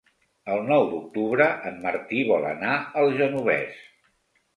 El nou d'octubre en Martí vol anar al Genovés.